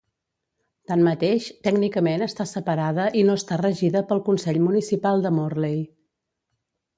Tanmateix, tècnicament està separada i no està regida pel consell municipal de Morley.